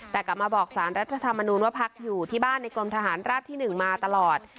แต่กลับมาบอกสารรัฐธรรมนูญว่าพักอยู่ที่บ้านในกรมทหารราบที่๑มาตลอด